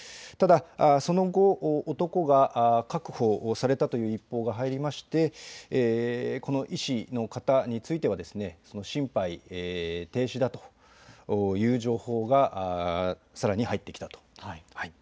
ただその後、男が確保されたという一報が入りましてこの医師の方については心肺停止だという情報がさらに入ってきたと。